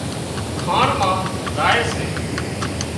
کاڻ مان زائي سي